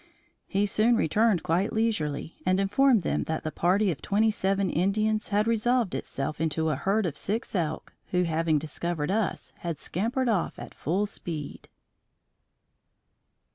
He soon returned quite leisurely, and informed them that the party of twenty seven Indians had resolved itself into a herd of six elk who, having discovered us, had scampered off at full speed."